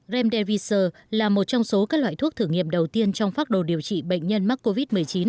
remdesivir là một trong số các loại thuốc thử nghiệm đầu tiên trong phát đồ điều trị bệnh nhân mắc covid một mươi chín